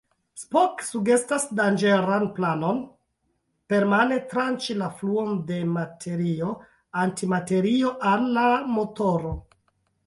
Spock sugestas danĝeran planon: permane tranĉi la fluon de materio-antimaterio al la motoro.